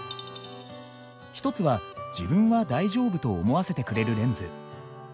一つは「自分は大丈夫」と思わせてくれるレンズ。